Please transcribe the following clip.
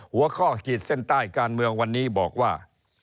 หัวข้อขีดเส้นใต้การเมืองวันนี้บอกว่า